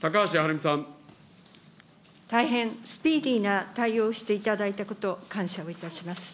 大変、スピーディーな対応をしていただいたこと、感謝をいたします。